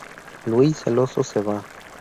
Louie celoso se va.